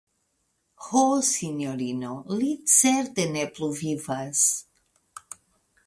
Ho, sinjorino, li certe ne plu vivas.